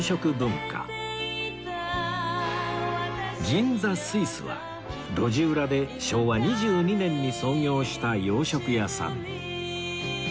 銀座スイスは路地裏で昭和２２年に創業した洋食屋さん